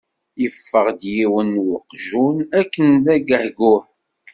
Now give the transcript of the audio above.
Yeffeɣ-d yiwen n weqjun akken d agehguh.